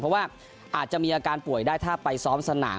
เพราะว่าอาจจะมีอาการป่วยได้ถ้าไปซ้อมสนาม